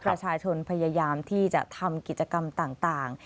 ประชาชนพยายามที่จะทำกิจกรรมต่าง